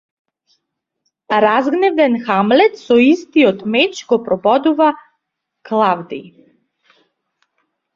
Разгневен, Хамлет со истиот меч го прободува Клавдиј.